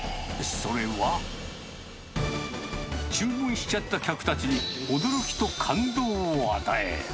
それは。注文しちゃった客たちに驚きと感動を与え。